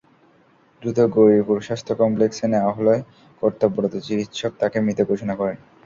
দ্রুত গৌরীপুর স্বাস্থ্য কমপ্লেক্সে নেওয়া হলে কর্তব্যরত চিকিত্সক তাকে মৃত ঘোষণা করেন।